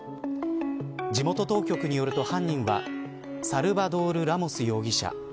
地元当局によると犯人はサルバドール・ラモス容疑者。